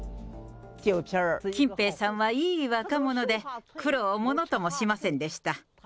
近平さんはいい若者で、苦労をものともしませんでした。